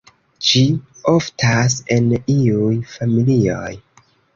Ĝi oftas en iuj familioj.